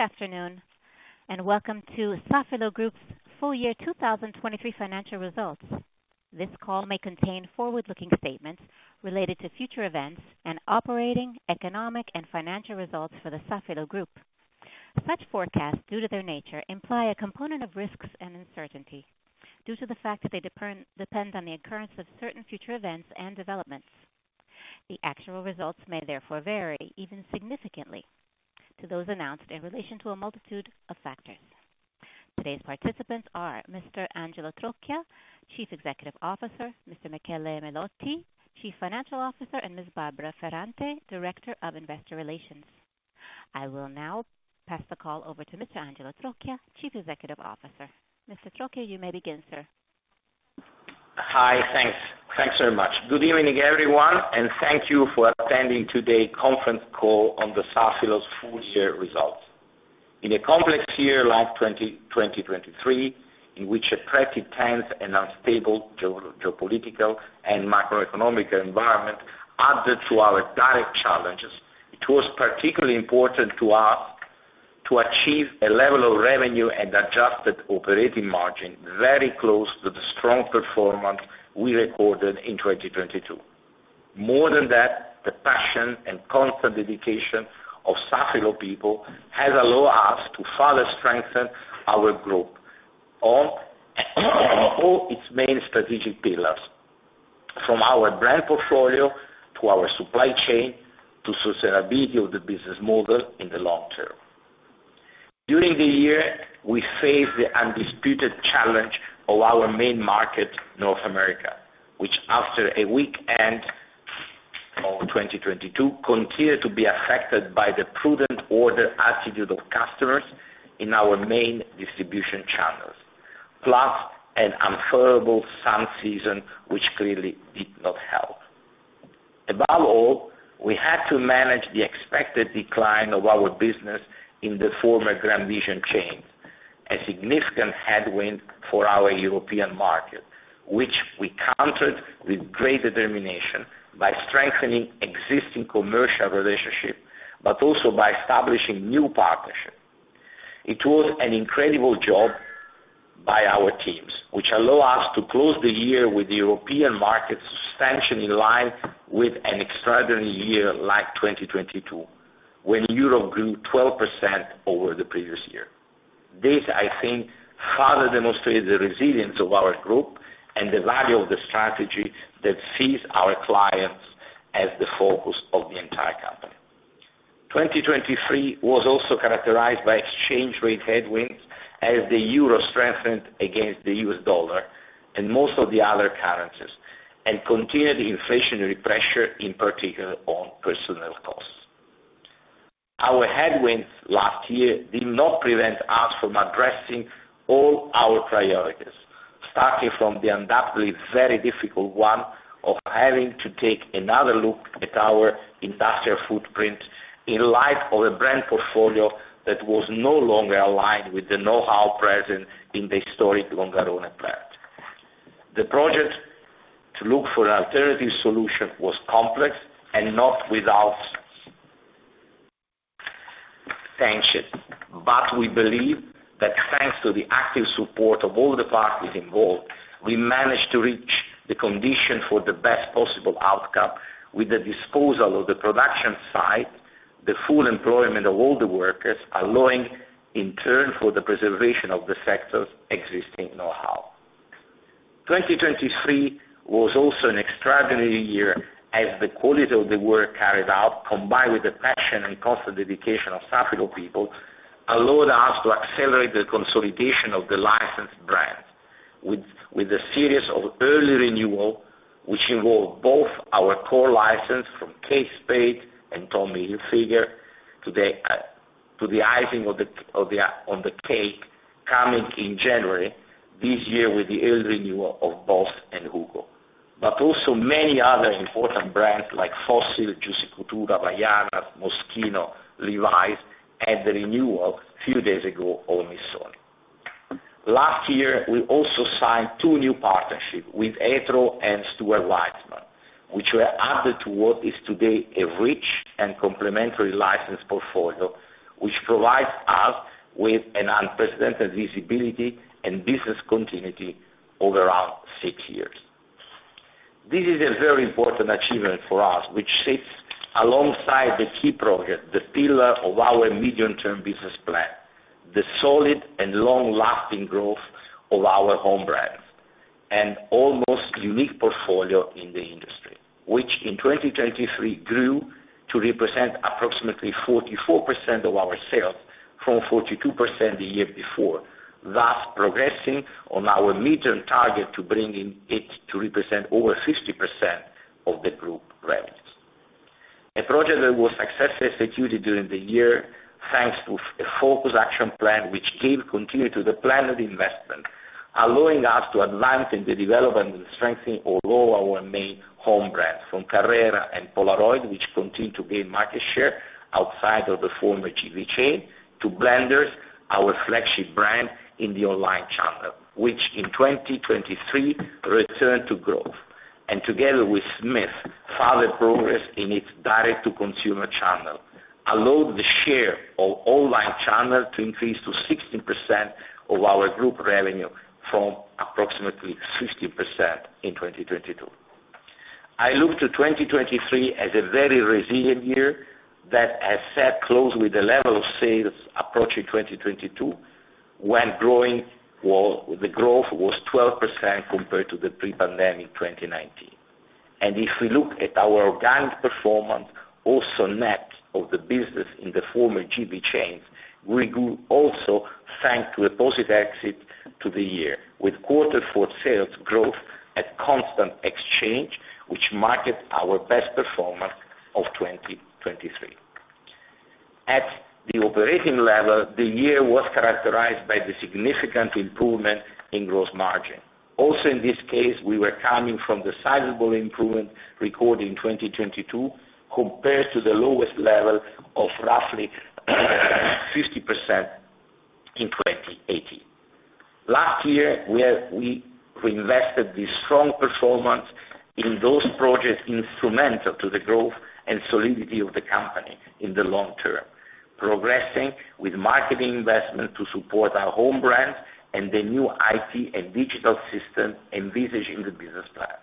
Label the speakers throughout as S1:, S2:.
S1: Good afternoon, and welcome to Safilo Group's full-year 2023 financial results. This call may contain forward-looking statements related to future events and operating, economic, and financial results for the Safilo Group. Such forecasts, due to their nature, imply a component of risks and uncertainty, due to the fact that they depend on the occurrence of certain future events and developments. The actual results may therefore vary, even significantly, to those announced in relation to a multitude of factors. Today's participants are Mr. Angelo Trocchia, Chief Executive Officer, Mr. Michele Melotti, Chief Financial Officer, and Ms. Barbara Ferrante, Director of Investor Relations. I will now pass the call over to Mr. Angelo Trocchia, Chief Executive Officer. Mr. Trocchia, you may begin, sir.
S2: Hi, thanks. Thanks very much. Good evening everyone, and thank you for attending today's conference call on the Safilo's full-year results. In a complex year like 2023, in which a pretty tense and unstable geo-geopolitical and macroeconomic environment added to our direct challenges, it was particularly important to us to achieve a level of revenue and adjusted operating margin very close to the strong performance we recorded in 2022. More than that, the passion and constant dedication of Safilo people has allowed us to further strengthen our group on all its main strategic pillars, from our brand portfolio to our supply chain to sustainability of the business model in the long term. During the year, we faced the undisputed challenge of our main market, North America, which after a weak end of 2022 continued to be affected by the prudent order attitude of customers in our main distribution channels, plus an unfavorable sun season, which clearly did not help. Above all, we had to manage the expected decline of our business in the former GrandVision chain, a significant headwind for our European market, which we countered with great determination by strengthening existing commercial relationships but also by establishing new partnerships. It was an incredible job by our teams, which allowed us to close the year with the European markets substantially in line with an extraordinary year like 2022, when Europe grew 12% over the previous year. This, I think, further demonstrates the resilience of our group and the value of the strategy that sees our clients as the focus of the entire company. 2023 was also characterized by exchange-rate headwinds as the euro strengthened against the U.S. dollar and most of the other currencies, and continued inflationary pressure, in particular, on personal costs. Our headwinds last year did not prevent us from addressing all our priorities, starting from the undoubtedly very difficult one of having to take another look at our industrial footprint in light of a brand portfolio that was no longer aligned with the know-how present in the historic Longarone plant. The project to look for an alternative solution was complex and not without tension, but we believe that thanks to the active support of all the parties involved, we managed to reach the condition for the best possible outcome with the disposal of the production site, the full employment of all the workers, allowing, in turn, for the preservation of the sector's existing know-how. 2023 was also an extraordinary year as the quality of the work carried out, combined with the passion and constant dedication of Safilo people, allowed us to accelerate the consolidation of the licensed brand with a series of early renewals, which involved both our core license from Kate Spade and Tommy Hilfiger to the icing on the cake coming in January this year with the early renewal of BOSS and HUGO, but also many other important brands like Fossil, Juicy Couture, Havaianas, Moschino, Levi's, and the renewal a few days ago on Missoni. Last year, we also signed two new partnerships with Etro and Stuart Weitzman, which were added to what is today a rich and complementary licensed portfolio, which provides us with an unprecedented visibility and business continuity over around six years. This is a very important achievement for us, which sits alongside the key project, the pillar of our medium-term business plan, the solid and long-lasting growth of our home brands, and almost unique portfolio in the industry, which in 2023 grew to represent approximately 44% of our sales from 42% the year before, thus progressing on our medium target to bring it to represent over 50% of the group revenues. A project that was successfully executed during the year thanks to a focused action plan, which gave continuity to the planned investment, allowing us to advance in the development and strengthening of all our main home brands from Carrera and Polaroid, which continue to gain market share outside of the former GV chain, to Blenders, our flagship brand in the online channel, which in 2023 returned to growth, and together with Smith, further progress in its direct-to-consumer channel, allowed the share of online channel to increase to 16% of our group revenue from approximately 15% in 2022. I look to 2023 as a very resilient year that has sat close with the level of sales approaching 2022 when the growth was 12% compared to the pre-pandemic 2019. If we look at our organic performance, also net of the business in the former GV chains, we grew also thanks to a positive exit to the year with fourth-quarter sales growth at constant exchange, which marked our best performance of 2023. At the operating level, the year was characterized by the significant improvement in gross margin. Also in this case, we were coming from the sizable improvement recorded in 2022 compared to the lowest level of roughly 50% in 2018. Last year, we reinvested this strong performance in those projects instrumental to the growth and solidity of the company in the long term, progressing with marketing investment to support our home brands and the new IT and digital system envisaged in the business plan.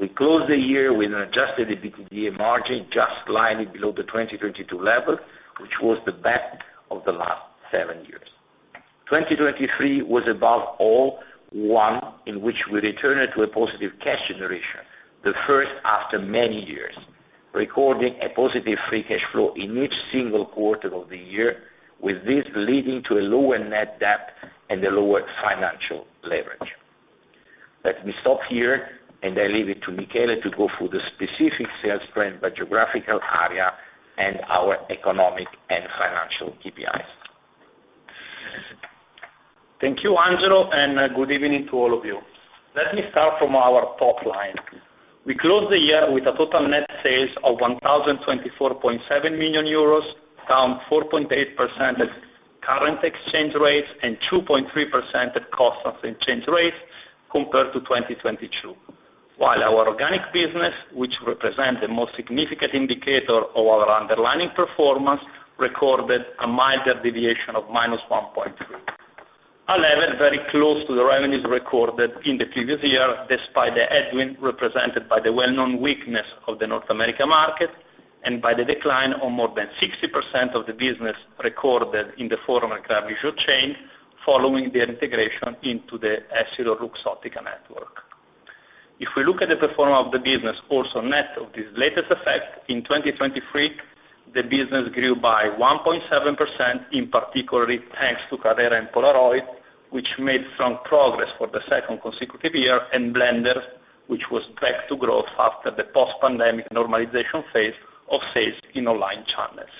S2: We closed the year with an Adjusted EBITDA margin just slightly below the 2022 level, which was the best of the last seven years. 2023 was above all one in which we returned to a positive cash generation, the first after many years, recording a positive free cash flow in each single quarter of the year, with this leading to a lower net debt and a lower financial leverage. Let me stop here, and I leave it to Michele to go through the specific sales trend by geographical area and our economic and financial KPIs.
S3: Thank you, Angelo, and good evening to all of you. Let me start from our top line. We closed the year with a total net sales of 1,024.7 million euros, down 4.8% at current exchange rates and 2.3% at constant exchange rates compared to 2022, while our organic business, which represents the most significant indicator of our underlying performance, recorded a milder deviation of -1.3%, a level very close to the revenues recorded in the previous year despite the headwind represented by the well-known weakness of the North America market and by the decline of more than 60% of the business recorded in the former GrandVision chain following their integration into the EssilorLuxottica network. If we look at the performance of the business also net of this latest effect, in 2023, the business grew by 1.7%, in particular thanks to Carrera and Polaroid, which made strong progress for the second consecutive year, and Blenders, which was back to growth after the post-pandemic normalization phase of sales in online channels.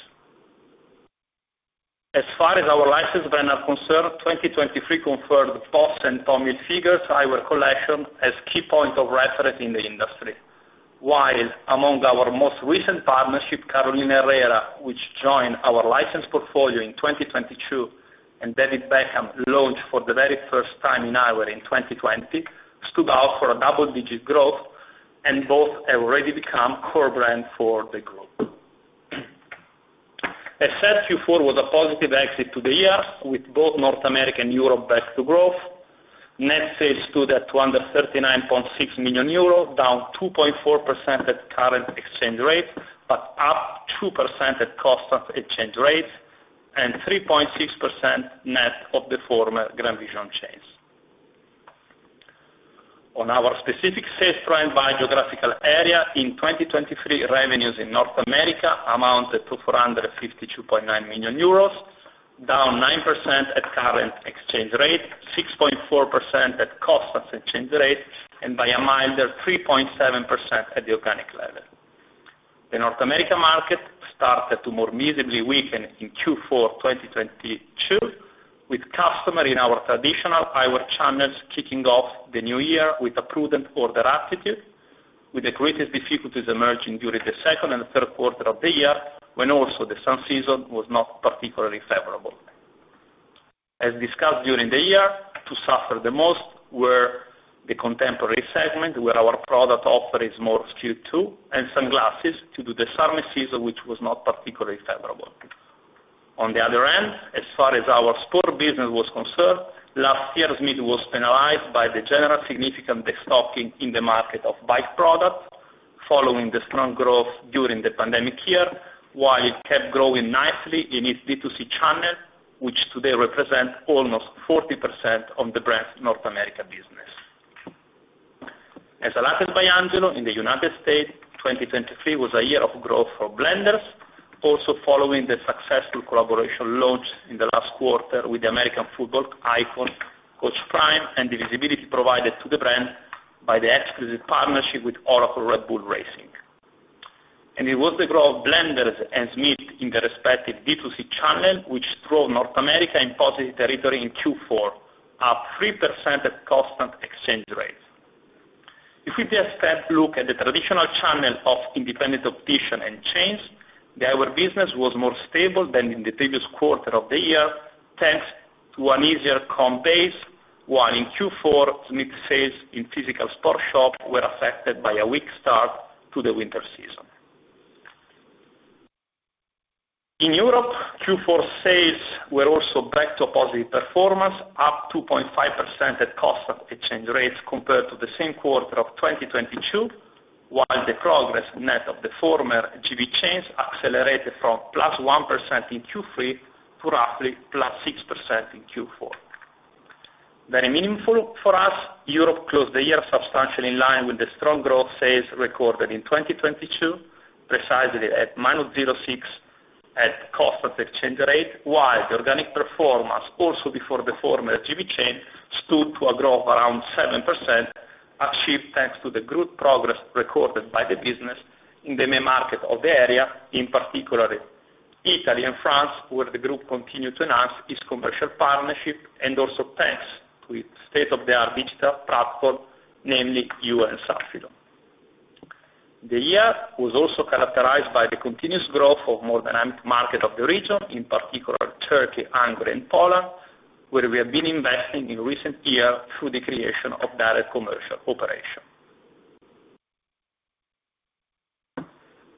S3: As far as our licensed brands are concerned, 2023 confirmed BOSS and Tommy Hilfiger's eyewear collection as key points of reference in the industry, while among our most recent partnerships, Carolina Herrera, which joined our licensed portfolio in 2022, and David Beckham launched for the very first time in eyewear in 2020, stood out for a double-digit growth and both have already become core brands for the group. A solid Q4 was a positive exit to the year, with both North America and Europe back to growth. Net sales stood at 239.6 million euros, down 2.4% at current exchange rates but up 2% at constant exchange rates and 3.6% net of the former GrandVision chains. On our specific sales trend by geographical area, in 2023, revenues in North America amounted to 452.9 million euros, down 9% at current exchange rate, 6.4% at constant exchange rates, and by a milder 3.7% at the organic level. The North America market started to more markedly weaken in Q4 2022, with customers in our traditional eyewear channels kicking off the new year with a prudent order attitude, with the greatest difficulties emerging during the second and third quarter of the year when also the summer season was not particularly favorable. As discussed during the year, to suffer the most were the contemporary segment where our product offer is more of Q2 and sunglasses due to the summer season, which was not particularly favorable. On the other hand, as far as our sport business was concerned, last year's Smith was penalized by the general significant destocking in the market of bike products following the strong growth during the pandemic year, while it kept growing nicely in its B2C channel, which today represents almost 40% of the brand's North America business. As alerted by Angelo, in the United States, 2023 was a year of growth for Blenders, also following the successful collaboration launched in the last quarter with the American football icon Coach Prime and the visibility provided to the brand by the exclusive partnership with Oracle Red Bull Racing. It was the growth of Blenders and Smith in their respective B2C channel, which drove North America in positive territory in Q4, up 3% at constant exchange rates. If we just look at the traditional channel of independent competition and chains, the eyewear business was more stable than in the previous quarter of the year thanks to an easier comp base, while in Q4, Smith's sales in physical sports shops were affected by a weak start to the winter season. In Europe, Q4 sales were also back to a positive performance, up 2.5% at constant exchange rates compared to the same quarter of 2022, while the progress net of the former GV chains accelerated from +1% in Q3 to roughly +6% in Q4. Very meaningful for us, Europe closed the year substantially in line with the strong growth sales recorded in 2022, precisely at -0.6% at constant exchange rate, while the organic performance, also before the former GV chain, stood to a growth of around 7%, achieved thanks to the group progress recorded by the business in the main market of the area, in particular Italy and France, where the group continued to enhance its commercial partnership and also thanks to its state-of-the-art digital platform, namely You&Safilo. The year was also characterized by the continuous growth of more dynamic markets of the region, in particular Turkey, Hungary, and Poland, where we have been investing in recent years through the creation of direct commercial operations.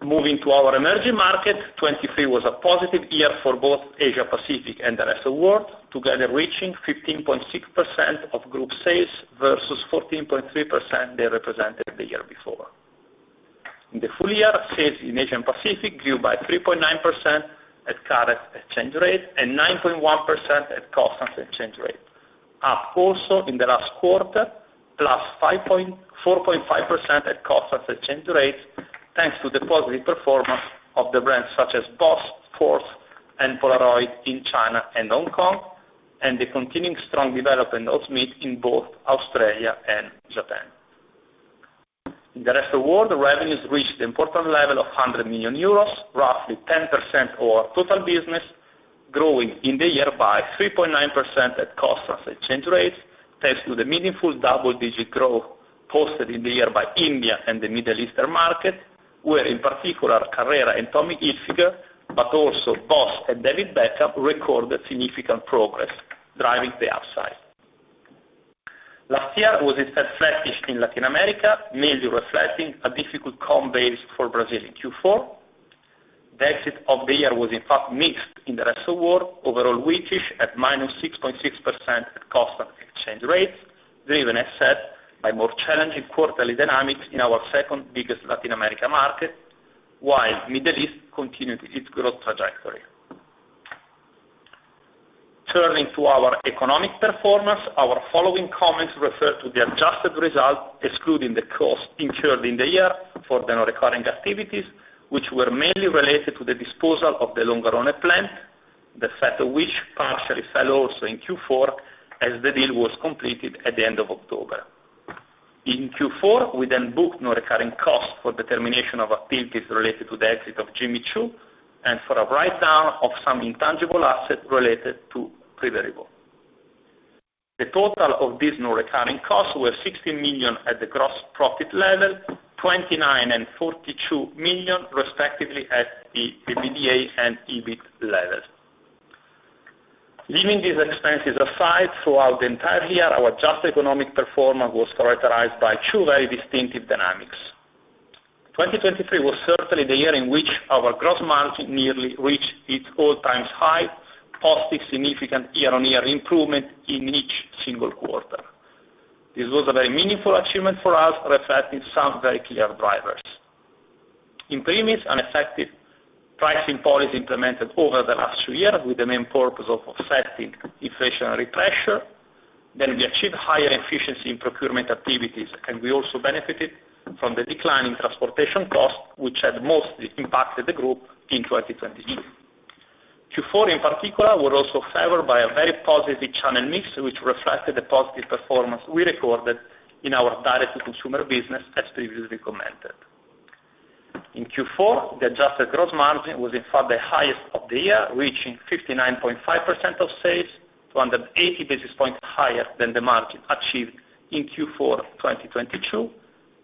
S3: Moving to our emerging market, 2023 was a positive year for both Asia-Pacific and the rest of the world, together reaching 15.6% of group sales versus 14.3% they represented the year before. In the full year, sales in Asia-Pacific grew by 3.9% at current exchange rates and 9.1% at constant exchange rates, up also in the last quarter, +4.5% at constant exchange rates thanks to the positive performance of the brands such as BOSS, PORTS, and Polaroid in China and Hong Kong, and the continuing strong development of Smith in both Australia and Japan. In the rest of the world, revenues reached the important level of 100 million euros, roughly 10% of our total business, growing in the year by 3.9% at constant exchange rates thanks to the meaningful double-digit growth posted in the year by India and the Middle East markets, where, in particular, Carrera and Tommy Hilfiger, but also BOSS and David Beckham recorded significant progress, driving the upside. Last year was instead flattish in Latin America, mainly reflecting a difficult comp base for Brazil in Q4. The exit of the year was, in fact, mixed in the rest of the world, overall weakish at -6.6% at constant exchange rates, driven, as said, by more challenging quarterly dynamics in our second-biggest Latin America market, while the Middle East continued its growth trajectory. Turning to our economic performance, our following comments refer to the adjusted result excluding the cost incurred in the year for the non-recurring activities, which were mainly related to the disposal of the Longarone plant, the fact of which partially fell also in Q4 as the deal was completed at the end of October. In Q4, we then booked non-recurring costs for the termination of activities related to the exit of Jimmy Choo and for a write-down of some intangible assets related to Privé Revaux. The total of these non-recurring costs were 16 million at the gross profit level, 29 million and 42 million, respectively, at the EBITDA and EBIT levels. Leaving these expenses aside, throughout the entire year, our adjusted economic performance was characterized by two very distinctive dynamics. 2023 was certainly the year in which our gross margin nearly reached its all-time high, posting significant year-on-year improvement in each single quarter. This was a very meaningful achievement for us, reflecting some very clear drivers. In primis, an effective pricing policy implemented over the last two years with the main purpose of offsetting inflationary pressure, then we achieved higher efficiency in procurement activities, and we also benefited from the declining transportation costs, which had mostly impacted the group in 2022. Q4, in particular, was also favored by a very positive channel mix, which reflected the positive performance we recorded in our direct-to-consumer business, as previously commented. In Q4, the adjusted gross margin was, in fact, the highest of the year, reaching 59.5% of sales, 280 basis points higher than the margin achieved in Q4 2022,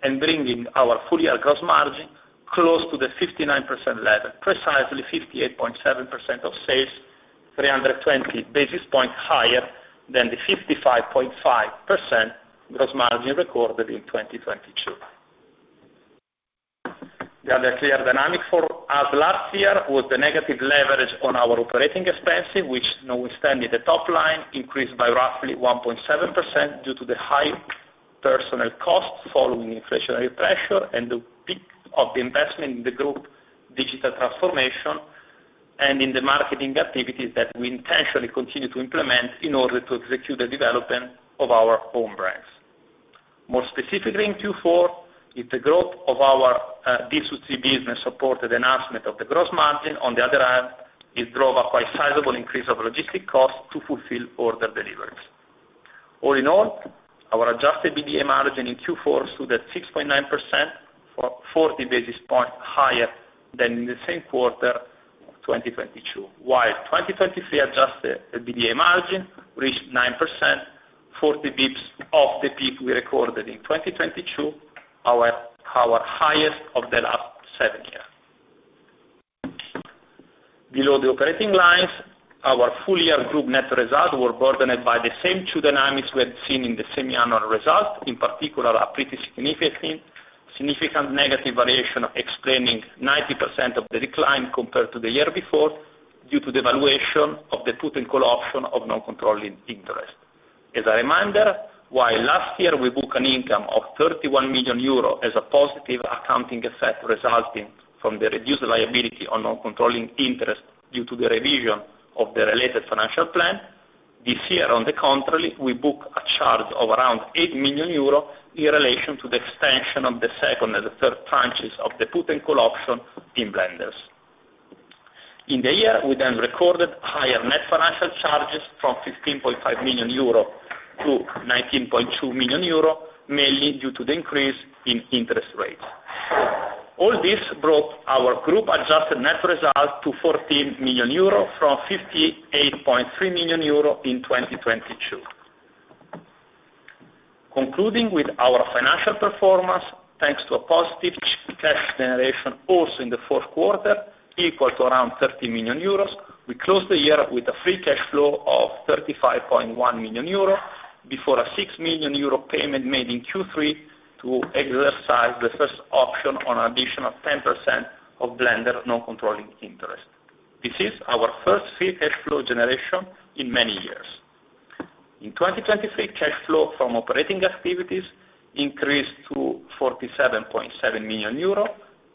S3: and bringing our full-year gross margin close to the 59% level, precisely 58.7% of sales, 320 basis points higher than the 55.5% gross margin recorded in 2022. The other clear dynamic for us last year was the negative leverage on our operating expenses, which, now extending the top line, increased by roughly 1.7% due to the high personal costs following inflationary pressure and the peak of the investment in the group digital transformation and in the marketing activities that we intentionally continue to implement in order to execute the development of our home brands. More specifically in Q4, if the growth of our B2C business supported enhancement of the gross margin, on the other hand, it drove a quite sizable increase of logistics costs to fulfill order deliveries. All in all, our Adjusted EBITDA margin in Q4 stood at 6.9%, 40 basis points higher than in the same quarter of 2022, while 2023 Adjusted EBITDA margin reached 9%, 40 basis points off the peak we recorded in 2022, our highest of the last seven years. Below the operating lines, our full-year group net result was burdened by the same two dynamics we had seen in the semiannual result, in particular, a pretty significant negative variation explaining 90% of the decline compared to the year before due to the valuation of the put and call option of non-controlling interest. As a reminder, while last year we booked an income of 31 million euro as a positive accounting effect resulting from the reduced liability on non-controlling interest due to the revision of the related financial plan, this year, on the contrary, we booked a charge of around 8 million euro in relation to the extension of the second and the third tranches of the put and call option in Blenders. In the year, we then recorded higher net financial charges from 15.5 million euro to 19.2 million euro, mainly due to the increase in interest rates. All this brought our group adjusted net result to 14 million euro from 58.3 million euro in 2022. Concluding with our financial performance, thanks to a positive cash generation also in the fourth quarter, equal to around 30 million euros, we closed the year with a free cash flow of 35.1 million euros before a 6 million euro payment made in Q3 to exercise the first option on an additional 10% of Blenders non-controlling interest. This is our first free cash flow generation in many years. In 2023, cash flow from operating activities increased to 47.7 million euro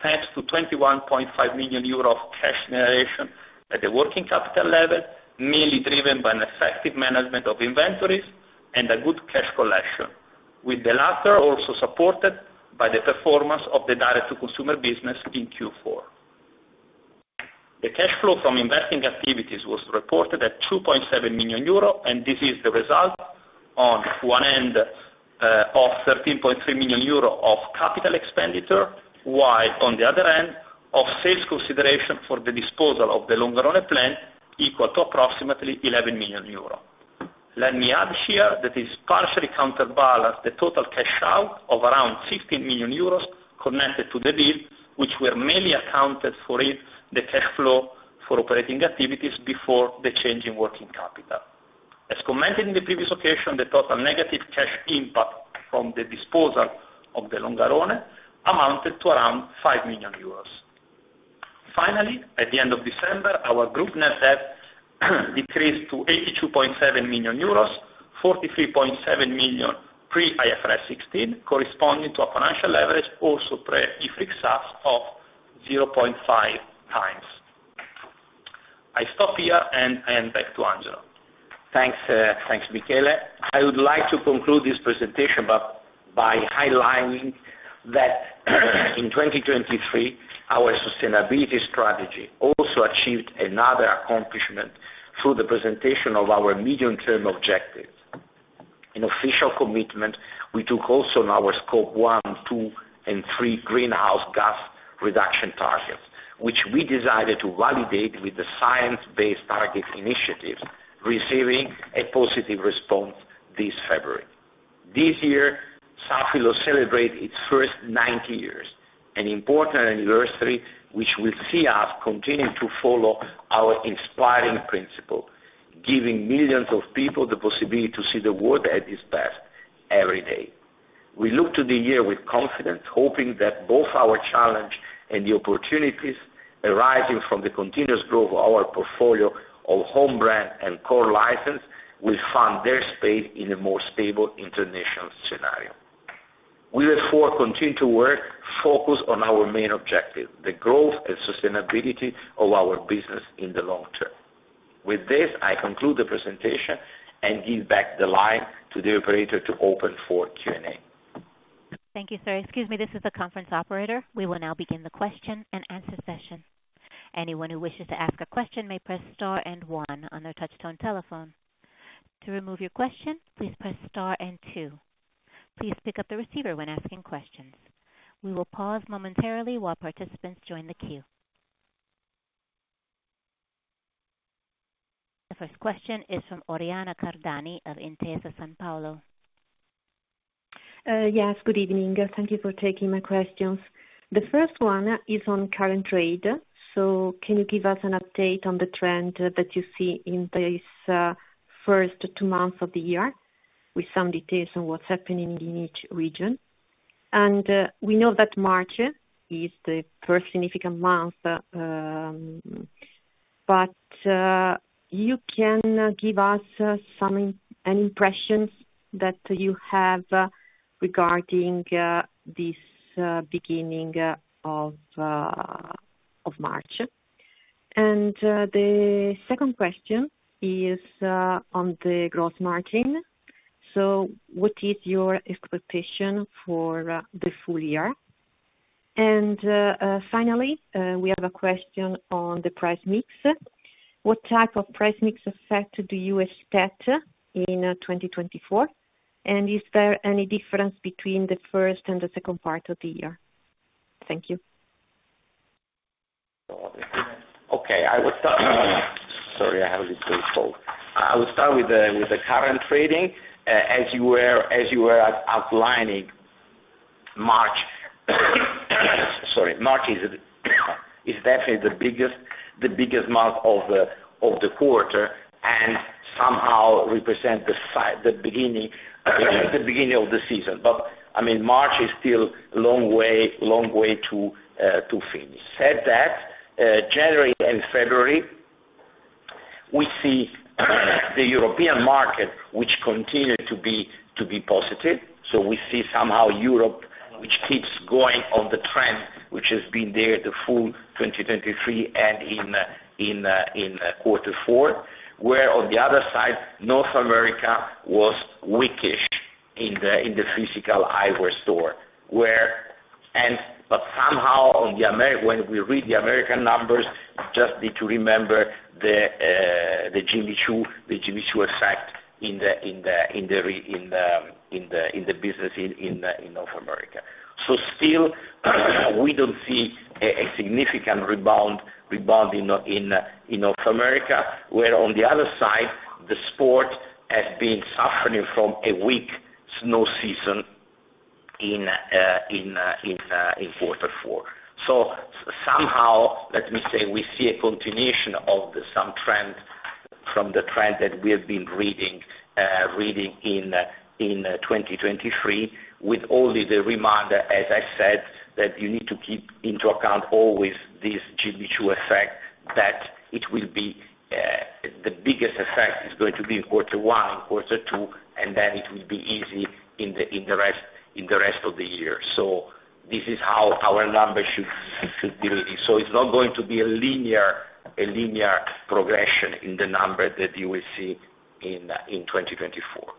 S3: thanks to 21.5 million euro of cash generation at the working capital level, mainly driven by an effective management of inventories and a good cash collection, with the latter also supported by the performance of the direct-to-consumer business in Q4. The cash flow from investing activities was reported at 2.7 million euro, and this is the result on one end of 13.3 million euro of capital expenditure, while on the other end of sales consideration for the disposal of the Longarone plant, equal to approximately 11 million euro. Let me add here that this partially counterbalanced the total cash out of around 15 million euros connected to the deal, which were mainly accounted for in the cash flow for operating activities before the change in working capital. As commented in the previous occasion, the total negative cash impact from the disposal of the Longarone amounted to around 5 million euros. Finally, at the end of December, our group net debt decreased to 82.7 million euros, 43.7 million pre-IFRS 16, corresponding to a financial leverage also pre-IFRS 16 of 0.5x. I stop here, and I am back to Angelo.
S2: Thanks, Michele. I would like to conclude this presentation by highlighting that in 2023, our sustainability strategy also achieved another accomplishment through the presentation of our medium-term objectives. In official commitment, we took also on our Scope 1, 2, and 3 greenhouse gas reduction targets, which we decided to validate with the Science Based Targets initiative, receiving a positive response this February. This year, Safilo celebrated its first 90 years, an important anniversary which will see us continue to follow our inspiring principle, giving millions of people the possibility to see the world at its best every day. We look to the year with confidence, hoping that both our challenge and the opportunities arising from the continuous growth of our portfolio of home brand and core license will find their space in a more stable international scenario. We therefore continue to work focused on our main objective, the growth and sustainability of our business in the long term. With this, I conclude the presentation and give back the line to the operator to open for Q&A.
S1: Thank you, sir. Excuse me. This is the conference operator. We will now begin the question and answer session. Anyone who wishes to ask a question may press star and one on their touchtone telephone. To remove your question, please press star and two. Please pick up the receiver when asking questions. We will pause momentarily while participants join the queue. The first question is from Oriana Cardani of Intesa Sanpaolo.
S4: Yes. Good evening. Thank you for taking my questions. The first one is on current trade. So can you give us an update on the trend that you see in these first two months of the year with some details on what's happening in each region? And we know that March is the first significant month, but you can give us some impressions that you have regarding this beginning of March. And the second question is on the gross margin. So what is your expectation for the full year? And finally, we have a question on the price mix. What type of price mix effect do you expect in 2024, and is there any difference between the first and the second part of the year? Thank you.
S2: Okay. Sorry, I have a little cold. I will start with the current trading. As you were outlining, March is definitely the biggest month of the quarter and somehow represents the beginning of the season. But, I mean, March is still a long way to finish. That said, January and February, we see the European market, which continued to be positive. So we see somehow Europe, which keeps going on the trend, which has been there the full 2023 and in quarter four, where on the other side, North America was weakish in the physical eyewear store. But somehow, when we read the American numbers, just need to remember the Jimmy Choo effect in the business in North America. So still, we don't see a significant rebound in North America, where on the other side, the sport has been suffering from a weak snow season in quarter four. So somehow, let me say, we see a continuation of some trend from the trend that we have been reading in 2023, with only the reminder, as I said, that you need to keep into account always this Jimmy Choo effect, that the biggest effect is going to be in quarter one, in quarter two, and then it will be easy in the rest of the year. So this is how our numbers should be reading. So it's not going to be a linear progression in the number that you will see in 2024.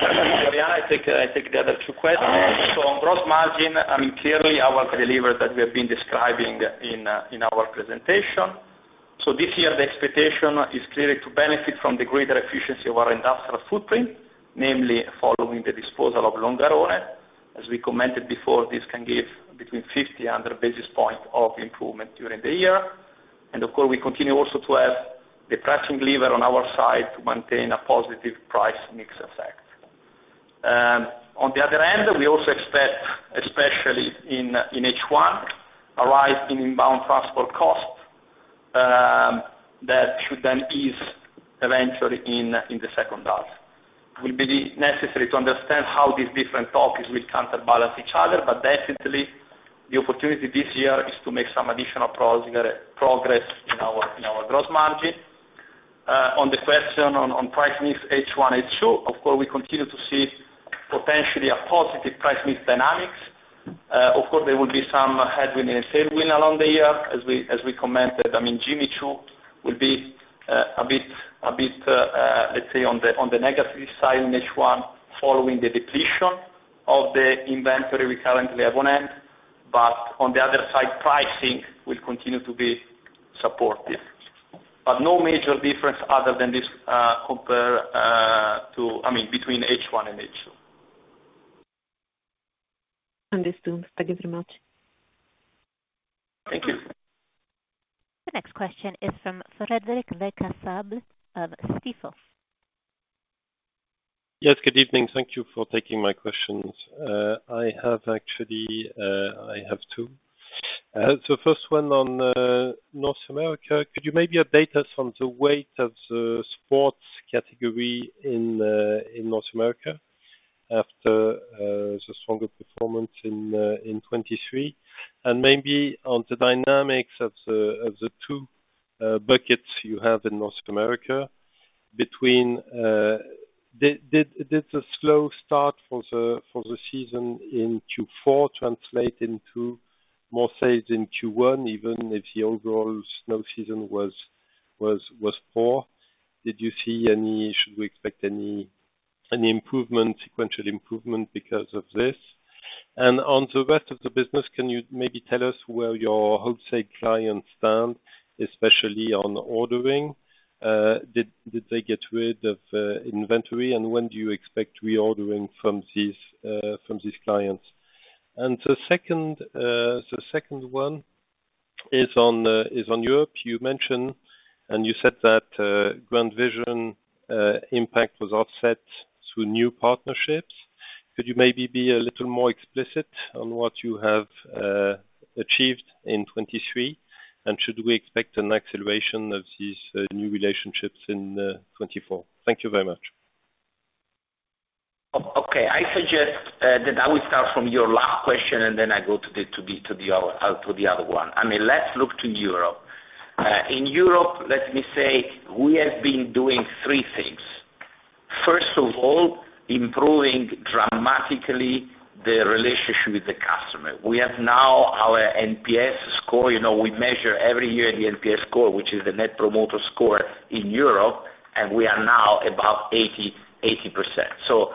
S3: Oriana, I take the other two questions. So on gross margin, I mean, clearly, our delivery that we have been describing in our presentation. So this year, the expectation is clearly to benefit from the greater efficiency of our industrial footprint, namely following the disposal of Longarone. As we commented before, this can give between 50 and 100 basis points of improvement during the year. And, of course, we continue also to have the pricing lever on our side to maintain a positive price mix effect. On the other hand, we also expect, especially in H1, a rise in inbound transport costs that should then ease eventually in the second half. It will be necessary to understand how these different topics will counterbalance each other, but definitely, the opportunity this year is to make some additional progress in our gross margin. On the question on price mix, H1, H2, of course, we continue to see potentially a positive price mix dynamics. Of course, there will be some headwind and tailwind along the year, as we commented. I mean, Jimmy Choo will be a bit, let's say, on the negative side in H1 following the depletion of the inventory we currently have on end. But on the other side, pricing will continue to be supportive. But no major difference other than this compare to, I mean, between H1 and H2.
S4: Understood. Thank you very much.
S3: Thank you.
S1: The next question is from Cedric Lecasble of Stifel.
S5: Yes. Good evening. Thank you for taking my questions. I have two. So first one on North America. Could you maybe update us on the weight of the sports category in North America after the stronger performance in 2023? And maybe on the dynamics of the two buckets you have in North America between did the slow start for the season in Q4 translate into more sales in Q1, even if the overall snow season was poor? Did you see any should we expect any sequential improvement because of this? And on the rest of the business, can you maybe tell us where your wholesale clients stand, especially on ordering? Did they get rid of inventory, and when do you expect reordering from these clients? And the second one is on Europe. You mentioned and you said that GrandVision impact was offset through new partnerships. Could you maybe be a little more explicit on what you have achieved in 2023, and should we expect an acceleration of these new relationships in 2024? Thank you very much.
S2: Okay. I suggest that I will start from your last question, and then I go to the other one. I mean, let's look to Europe. In Europe, let me say, we have been doing three things. First of all, improving dramatically the relationship with the customer. We have now our NPS score. We measure every year the NPS score, which is the Net Promoter Score in Europe, and we are now about 80%. So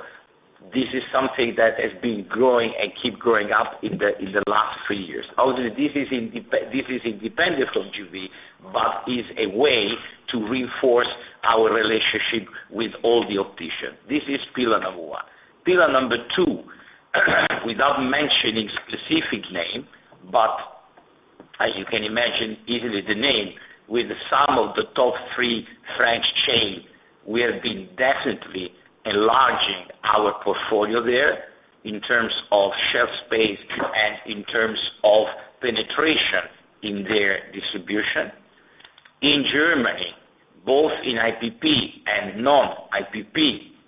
S2: this is something that has been growing and keeps growing up in the last three years. Obviously, this is independent from GV, but is a way to reinforce our relationship with all the opticians. This is pillar number one. Pillar number two, without mentioning specific name, but as you can imagine, easily the name, with some of the top three French chain, we have been definitely enlarging our portfolio there in terms of shelf space and in terms of penetration in their distribution. In Germany, both in IPP and non-IPP,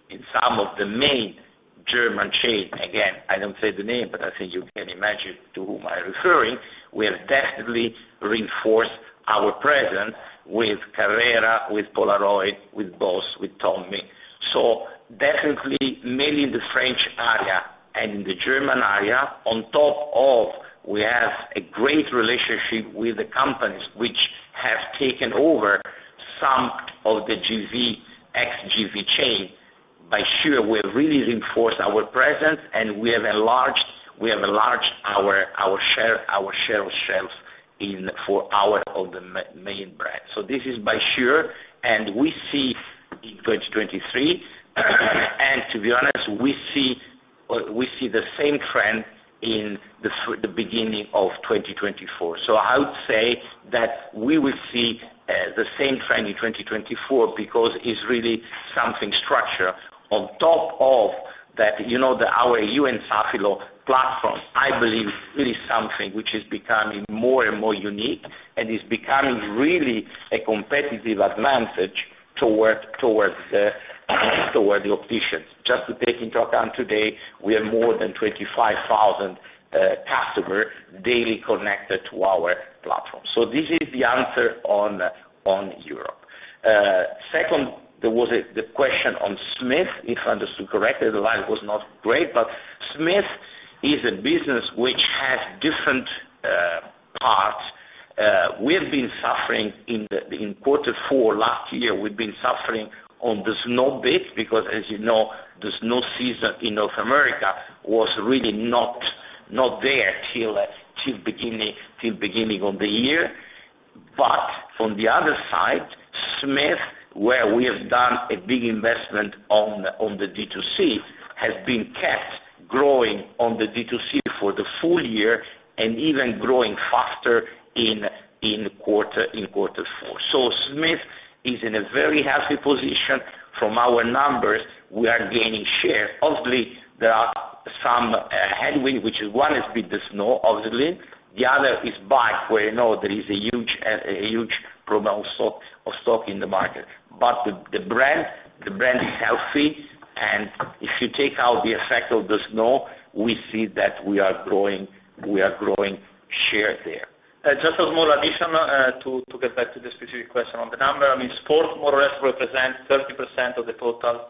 S2: in some of the main German chain again, I don't say the name, but I think you can imagine to whom I'm referring, we have definitely reinforced our presence with Carrera, with Polaroid, with BOSS, with Tommy. So definitely, mainly in the French area and in the German area, on top of we have a great relationship with the companies which have taken over some of the ex-GV chain, for sure, we have really reinforced our presence, and we have enlarged our share of shelves for one of the main brands. So this is for sure. And we see. In 2023. To be honest, we see the same trend in the beginning of 2024. I would say that we will see the same trend in 2024 because it's really something structured. On top of that, our You&Safilo platform, I believe, it is something which is becoming more and more unique and is becoming really a competitive advantage towards the opticians. Just to take into account today, we have more than 25,000 customers daily connected to our platform. This is the answer on Europe. Second, there was the question on Smith. If I understood correctly, the line was not great. Smith is a business which has different parts. We have been suffering in quarter four last year. We've been suffering on the snow bit because, as you know, the snow season in North America was really not there till beginning of the year. But on the other side, Smith, where we have done a big investment on the D2C, has been kept growing on the D2C for the full year and even growing faster in quarter four. So Smith is in a very healthy position. From our numbers, we are gaining share. Obviously, there are some headwinds, which one is the snow, obviously. The other is bike, where you know there is a huge promo stock in the market. But the brand is healthy. And if you take out the effect of the snow, we see that we are growing share there.
S3: Just a small addition to get back to the specific question on the number. I mean, sport, more or less, represents 30% of the total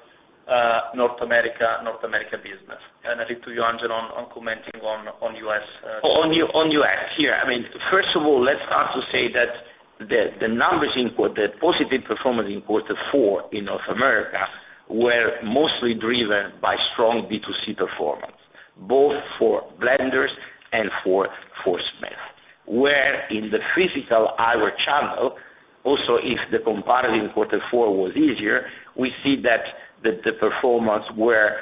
S3: North America business. I leave to you, Angelo, on commenting on U.S.
S2: On U.S., here. I mean, first of all, let's start to say that the numbers in the positive performance in quarter four in North America were mostly driven by strong D2C performance, both for Blenders and for Smith. Where in the physical retail channel, also, if the comparison quarter four was easier, we see that the performance were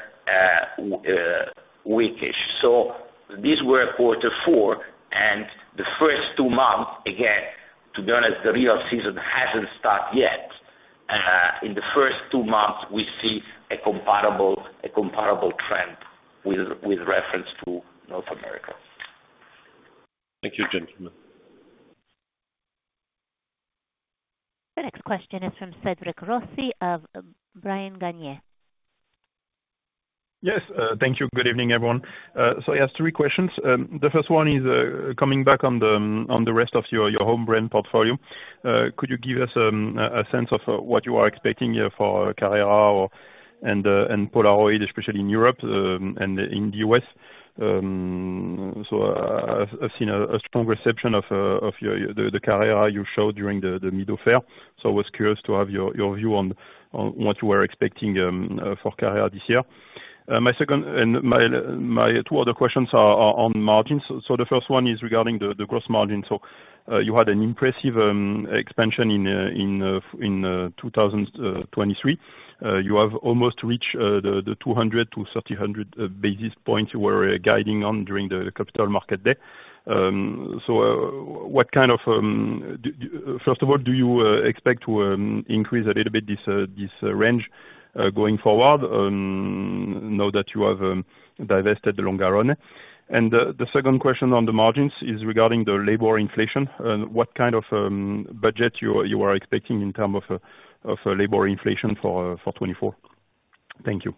S2: weakish. So these were quarter four. The first two months, again, to be honest, the real season hasn't started yet. In the first two months, we see a comparable trend with reference to North America.
S5: Thank you, gentlemen.
S1: The next question is from Cédric Rossi of Bryan Garnier.
S6: Yes. Thank you. Good evening, everyone. So I have three questions. The first one is coming back on the rest of your home brand portfolio. Could you give us a sense of what you are expecting here for Carrera and Polaroid, especially in Europe and in the U.S.? So I've seen a strong reception of the Carrera you showed during the Mido fair. So I was curious to have your view on what you were expecting for Carrera this year. And my two other questions are on margins. So the first one is regarding the gross margin. So you had an impressive expansion in 2023. You have almost reached the 200-300 basis points you were guiding on during the Capital Market Day. So what kind of first of all, do you expect to increase a little bit this range going forward, now that you have divested the Longarone? The second question on the margins is regarding the labor inflation. What kind of budget you are expecting in terms of labor inflation for 2024? Thank you.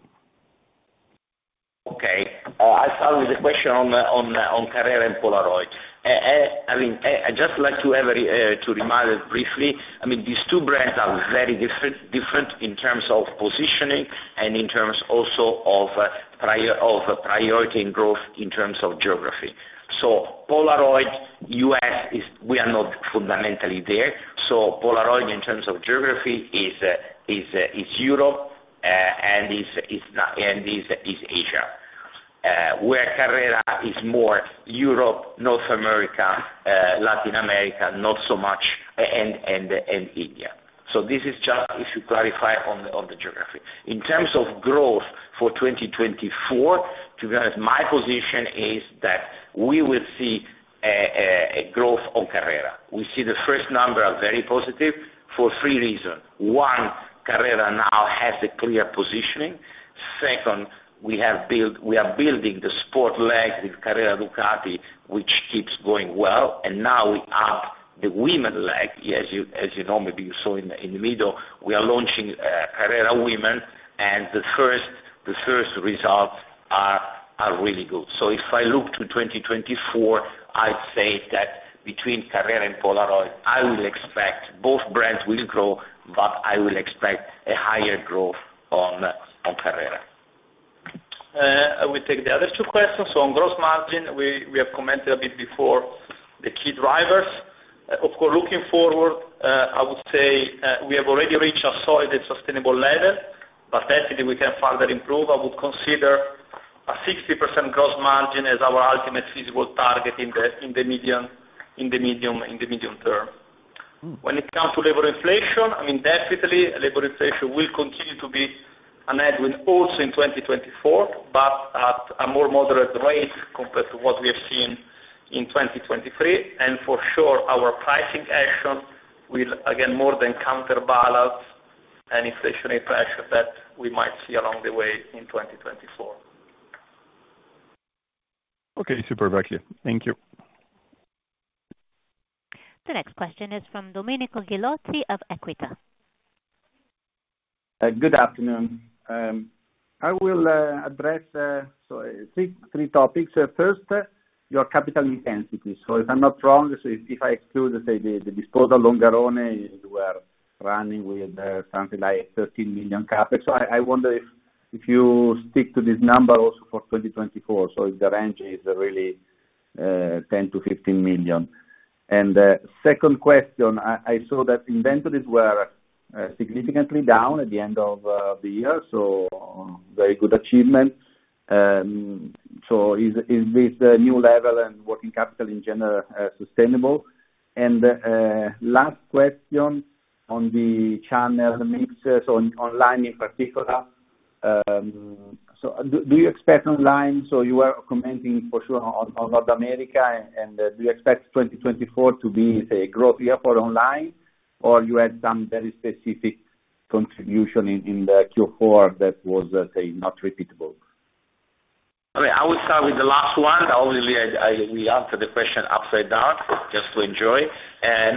S2: Okay. I start with a question on Carrera and Polaroid. I mean, I just like to remind us briefly. I mean, these two brands are very different in terms of positioning and in terms also of prioritizing growth in terms of geography. So Polaroid, U.S., we are not fundamentally there. So Polaroid, in terms of geography, is Europe and is Asia, where Carrera is more Europe, North America, Latin America, not so much, and India. So this is just to clarify on the geography. In terms of growth for 2024, to be honest, my position is that we will see growth on Carrera. We see the first numbers are very positive for three reasons. One, Carrera now has a clear positioning. Second, we are building the sport leg with Carrera Ducati, which keeps going well. And now we add the women leg. As you know, maybe you saw in the Mido, we are launching Carrera Women, and the first results are really good. So if I look to 2024, I'd say that between Carrera and Polaroid, I will expect both brands will grow, but I will expect a higher growth on Carrera.
S3: I will take the other two questions. So on gross margin, we have commented a bit before the key drivers. Of course, looking forward, I would say we have already reached a solid and sustainable level, but definitely, we can further improve. I would consider a 60% gross margin as our ultimate feasible target in the medium term. When it comes to labor inflation, I mean, definitely, labor inflation will continue to be a headwind also in 2024, but at a more moderate rate compared to what we have seen in 2023. And for sure, our pricing action will, again, more than counterbalance any fluctuating pressure that we might see along the way in 2024.
S6: Okay. Super, back to you. Thank you.
S1: The next question is from Domenico Ghilotti of Equita.
S7: Good afternoon. I will address three topics. First, your capital intensity. So if I'm not wrong, so if I exclude, say, the disposal Longarone, you were running with something like 13 million CapEx. So I wonder if you stick to this number also for 2024, so if the range is really 10 million-15 million. And second question, I saw that inventories were significantly down at the end of the year, so very good achievement. So is this new level and working capital, in general, sustainable? And last question on the channel mix, so online in particular. So do you expect online so you were commenting, for sure, on North America. And do you expect 2024 to be, say, a growth year for online, or you had some very specific contribution in Q4 that was, say, not repeatable?
S2: I mean, I would start with the last one. Obviously, we answered the question upside down just to enjoy.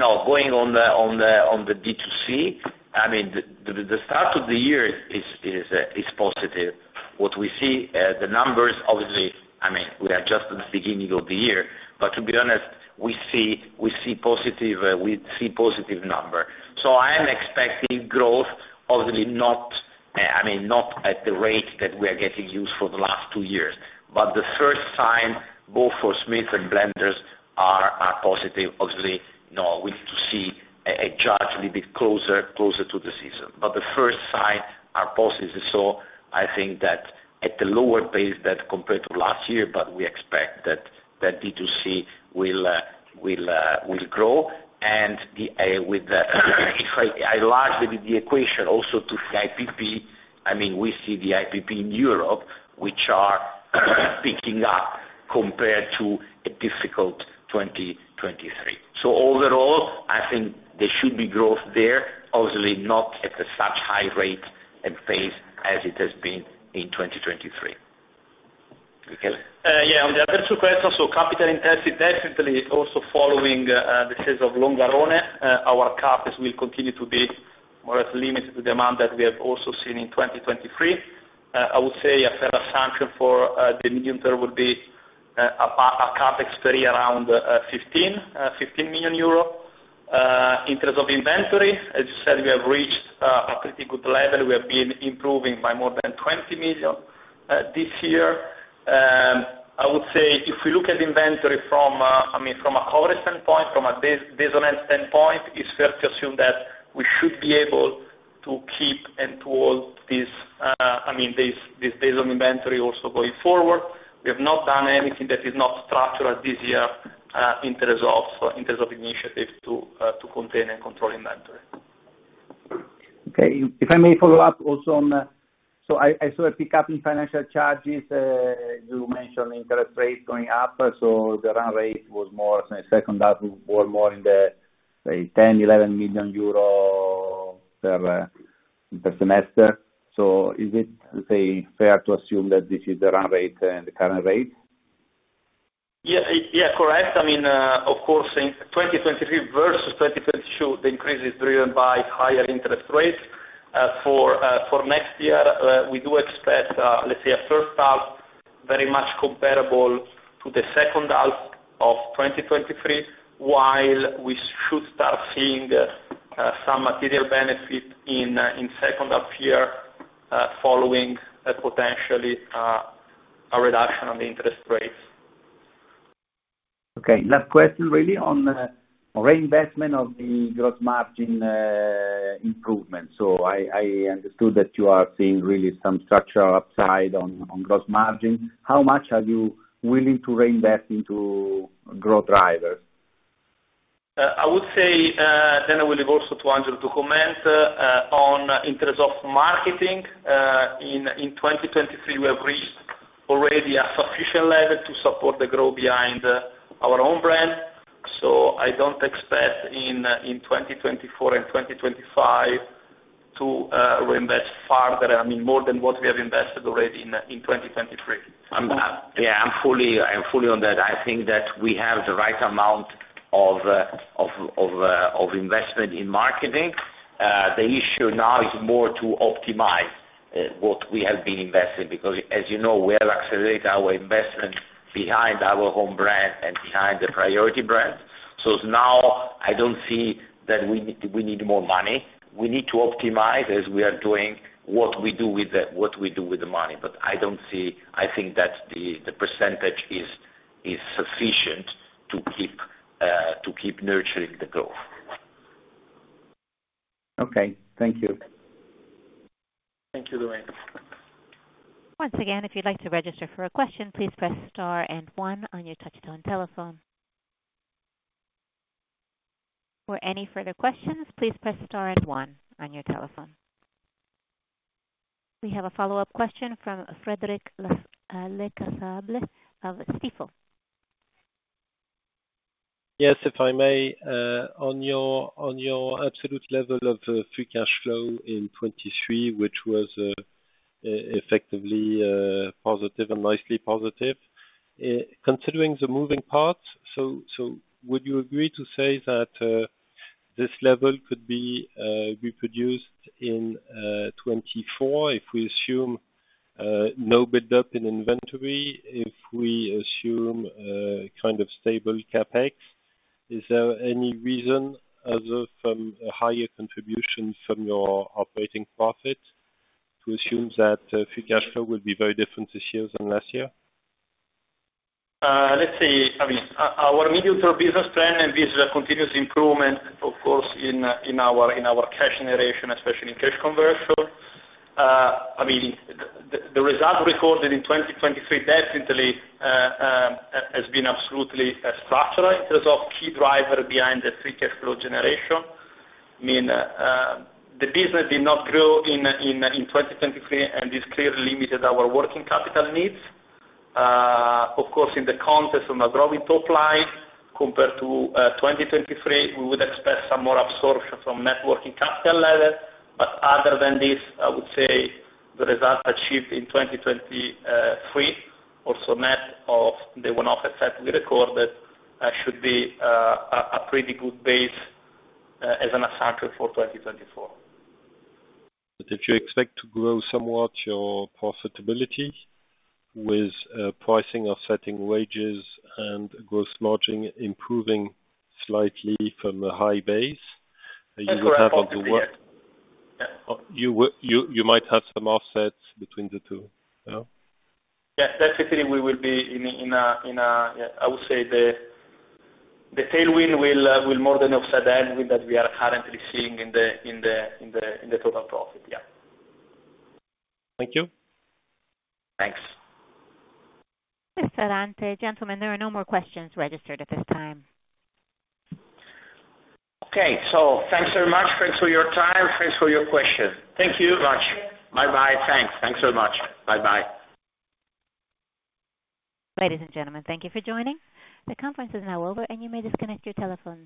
S2: No, going on the D2C, I mean, the start of the year is positive. What we see, the numbers, obviously, I mean, we are just at the beginning of the year. But to be honest, we see positive we see positive number. So I am expecting growth, obviously, I mean, not at the rate that we are getting used to for the last two years. But the first sign, both for Smith and Blenders, are positive. Obviously, no, we need to judge a little bit closer to the season. But the first sign are positive. So I think that at the lower pace than compared to last year, but we expect that D2C will grow. If I enlarge a little bit the equation also to IPP, I mean, we see the IPP in Europe, which are picking up compared to a difficult 2023. Overall, I think there should be growth there, obviously, not at such high rate and pace as it has been in 2023. Okay?
S3: Yeah. On the other two questions, so capital intensity, definitely also following the sales of Longarone, our CapEx will continue to be more or less limited to the amount that we have also seen in 2023. I would say a fair assumption for the medium term would be a CapEx per year around 15 million euro. In terms of inventory, as you said, we have reached a pretty good level. We have been improving by more than 20 million this year. I would say if we look at inventory from, I mean, from a coverage standpoint, from a days on hand standpoint, it's fair to assume that we should be able to keep and to hold this, I mean, this days on hand inventory also going forward. We have not done anything that is not structural this year in terms of initiative to contain and control inventory.
S7: Okay. If I may follow up also on, so I saw a pickup in financial charges. You mentioned interest rates going up. So the run rate was more second half was more in the, say, 10 million-11 million euro per semester. So is it, say, fair to assume that this is the run rate and the current rate?
S3: Yeah. Yeah, correct. I mean, of course, in 2023 versus 2022, the increase is driven by higher interest rates. For next year, we do expect, let's say, a first half very much comparable to the second half of 2023, while we should start seeing some material benefit in second half year following potentially a reduction on the interest rates.
S7: Okay. Last question, really, on reinvestment of the gross margin improvement. So I understood that you are seeing really some structural upside on gross margin. How much are you willing to reinvest into growth drivers?
S3: I would say then I will leave also to Angelo to comment on in terms of marketing. In 2023, we have reached already a sufficient level to support the growth behind our own brand. So I don't expect in 2024 and 2025 to reinvest farther, I mean, more than what we have invested already in 2023.
S2: Yeah. I'm fully on that. I think that we have the right amount of investment in marketing. The issue now is more to optimize what we have been investing because, as you know, we have accelerated our investment behind our home brand and behind the priority brand. So now, I don't see that we need more money. We need to optimize as we are doing what we do with the money. But I don't see. I think that the percentage is sufficient to keep nurturing the growth.
S7: Okay. Thank you.
S3: Thank you, Domenico.
S1: Once again, if you'd like to register for a question, please press star and one on your touchtone telephone. For any further questions, please press star and one on your telephone. We have a follow-up question from Cedric Lecasble of Stifel.
S5: Yes, if I may. On your absolute level of free cash flow in 2023, which was effectively positive and nicely positive, considering the moving parts, so would you agree to say that this level could be reproduced in 2024 if we assume no buildup in inventory, if we assume kind of stable CapEx? Is there any reason other than a higher contribution from your operating profit to assume that free cash flow would be very different this year than last year?
S3: Let's see. I mean, our medium-term business plan and this continuous improvement, of course, in our cash generation, especially in cash conversion. I mean, the result recorded in 2023 definitely has been absolutely structural in terms of key driver behind the free cash flow generation. I mean, the business did not grow in 2023, and this clearly limited our working capital needs. Of course, in the context of a growing top line compared to 2023, we would expect some more absorption from net working capital level. But other than this, I would say the result achieved in 2023, also net of the one-off effect we recorded, should be a pretty good base as an assumption for 2024.
S5: If you expect to grow somewhat your profitability with pricing or setting wages and gross margin improving slightly from a high base, you would have on the work you might have some offsets between the two. Yeah?
S3: Yeah. Definitely, we will be in a, yeah. I would say the tailwind will more than offset the headwind that we are currently seeing in the total profit. Yeah.
S5: Thank you.
S2: Thanks.
S1: Mr. Ferrante, gentlemen, there are no more questions registered at this time.
S2: Okay. Thanks very much. Thanks for your time. Thanks for your question.
S3: Thank you very much.
S2: Bye-bye. Thanks. Thanks very much. Bye-bye.
S1: Ladies and gentlemen, thank you for joining. The conference is now over, and you may disconnect your telephone.